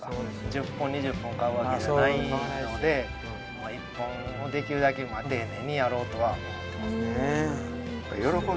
１０本２０本買うわけじゃないのでまあ一本をできるだけ丁寧にやろうとは思ってます。